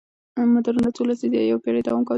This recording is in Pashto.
مدارونه څو لسیزې یا یوه پېړۍ دوام کولی شي.